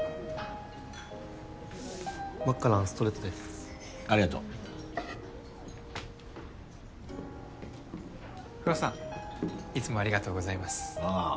マッカランストレートですありがとう不破さんいつもありがとうございますああ